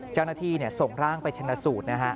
เจ้าหน้าที่ส่งร่างไปชนะสูตรนะฮะ